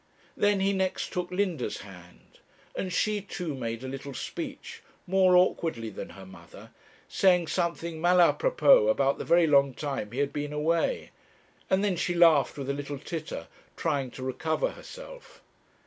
Then he next took Linda's hand, and she too made a little speech, more awkwardly than her mother, saying something mal à propos about the very long time he had been away; and then she laughed with a little titter, trying to recover herself.